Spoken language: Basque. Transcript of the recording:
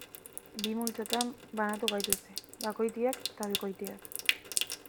Bi multzotan banatu gaituzte: bakoitiak eta bikoitiak.